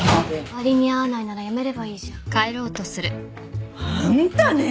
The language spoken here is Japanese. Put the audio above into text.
割に合わないなら辞めればいいじゃん。あんたね！